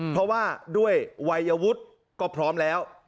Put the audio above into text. เพราะว่าด้วยวัยวุฒิก็พร้อมแล้ว